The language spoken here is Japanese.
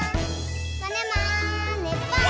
「まねまねぽん！」